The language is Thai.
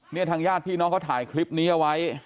เนี่ยทางญาติพี่น้องก็ถ่ายคลิปนี้เอาไว้